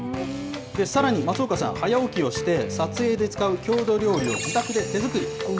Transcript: さらに、松岡さん、早起きをして、撮影で使う郷土料理を自宅で手作り。